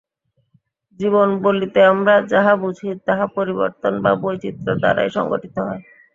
জীবন বলিতে আমরা যাহা বুঝি, তাহা পরিবর্তন বা বৈচিত্র্য দ্বারাই সংঘটিত হয়।